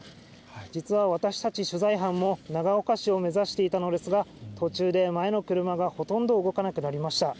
実は私たち取材班も長岡市を目指していたのですが、途中で前の車がほとんど動かなくなりました。